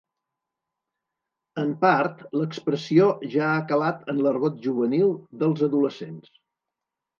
En part, l'expressió ja ha calat en l'argot juvenil dels adolescents.